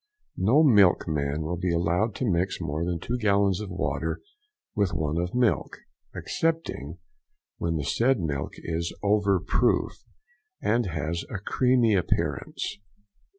No milkman will be allowed to mix more than two gallons of water with one of milk, excepting when the said milk is over proof, and has a creamy appearance.